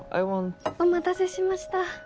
お待たせしました。